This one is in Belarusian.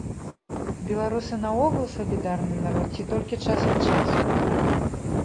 Беларусы наогул салідарны народ ці толькі час ад часу?